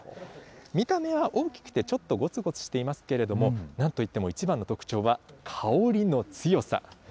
見た目は大きくて、ちょっとごつごつしていますけれども、なんといっても一番の特徴は、香りの強さ。